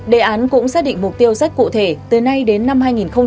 đề án cũng xác định mục tiêu rất cụ thể từ nay đến năm hai nghìn ba mươi